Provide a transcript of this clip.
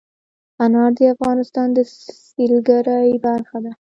انار د افغانستان د سیلګرۍ برخه ده.